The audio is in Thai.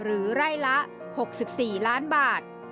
หรือไร่ละ๖๔ล้านบาท